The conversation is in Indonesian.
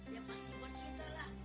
ya pasti buat kita lah